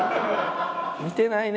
見てないね。